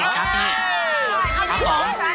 เดี๋ยวเดี๋ยว